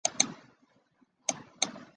主菜通常会紧接着后面送上。